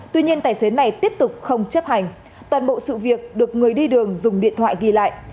tuy nhiên tài xế này tiếp tục không chấp hành toàn bộ sự việc được người đi đường dùng điện thoại ghi lại